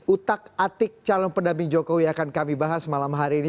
utak atik calon pendamping jokowi akan kami bahas malam hari ini